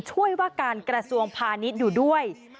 ทีนี้จากรายทื่อของคณะรัฐมนตรี